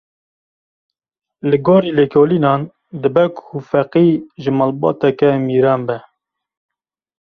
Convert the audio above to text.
Li gorî lêkolînan dibe ku Feqî ji malbateke mîran be.